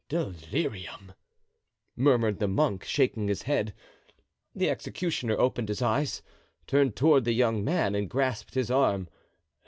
'" "Delirium!" murmured the monk, shaking his head. The executioner opened his eyes, turned toward the young man and grasped his arm.